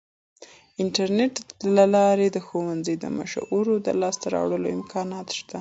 د انټرنیټ له لارې د ښوونځي د مشورو د لاسته راوړلو امکان شته.